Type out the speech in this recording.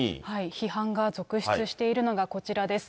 批判が続出しているのが、こちらです。